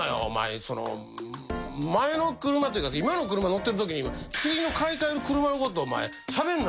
「前の車っていうか今の車乗ってる時に次の買い替える車の事しゃべるなよお前」。